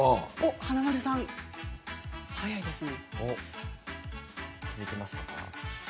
華丸さん、早いですね。